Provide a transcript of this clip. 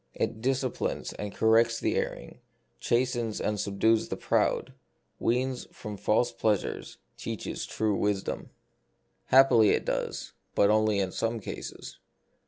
It disciplines and corrects the erring, chastens and subdues the proud, weans from false plea sures, teaches true wisdom. The Mystery of Pain. 29 Happily it does ; but only in some cases.